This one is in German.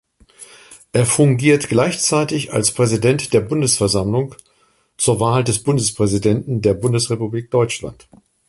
Er fungiert gleichzeitig als Präsident der Bundesversammlung zur Wahl des Bundespräsidenten der Bundesrepublik Deutschland.